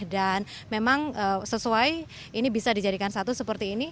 dan memang sesuai ini bisa dijadikan satu seperti ini